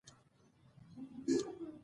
قانون د اداري واک د حدودو ساتنه کوي.